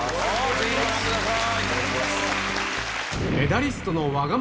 ぜひご覧ください。